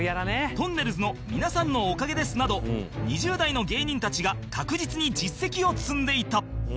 『とんねるずのみなさんのおかげです。』など２０代の芸人たちが確実に実績を積んでいた